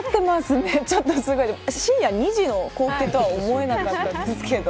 深夜２時の光景とは思えなかったんですけど。